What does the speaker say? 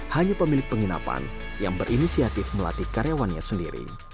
hanya pemilik penginapan yang berinisiatif melatih karyawannya sendiri